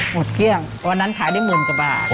หมดเกลี้ยงวันนั้นขายได้หมื่นกว่าบาท